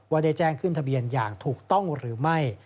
ได้แจ้งขึ้นทะเบียนอย่างถูกต้องหรือไม่